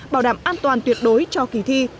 bảo đảm an toàn tuyệt đối cho kỳ thi